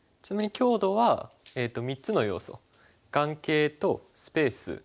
ちなみに強度は３つの要素眼形とスペース